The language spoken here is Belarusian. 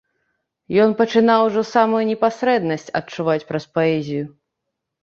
Ён пачынаў ужо самую непасрэднасць адчуваць праз паэзію.